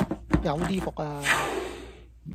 有啲伏啊